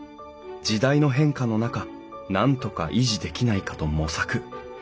時代の変化の中なんとか維持できないかと模索。